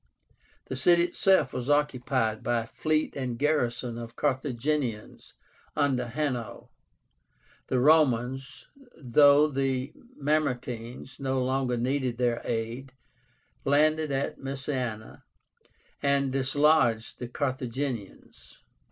The city itself was occupied by a fleet and garrison of Carthaginians under HANNO, The Romans, though the Mamertines no longer needed their aid, landed at Messána and dislodged the Carthaginians.